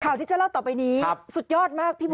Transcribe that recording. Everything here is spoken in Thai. ข่าวที่จะเล่าต่อไปนี้สุดยอดมากพี่บุ๊